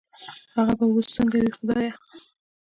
هغه به وس سنګه وي خدايه